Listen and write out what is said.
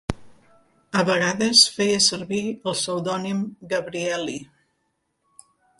A vegades feia servir el pseudònim Gabrielli.